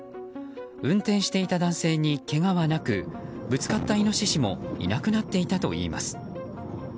運転していた男性にけがはなくぶつかったイノシシもいなくなっていたといいます。